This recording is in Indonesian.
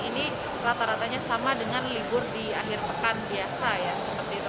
ini rata ratanya sama dengan libur di akhir pekan biasa ya seperti itu